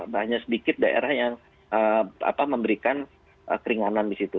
banyak sedikit daerah yang memberikan keringanan di situ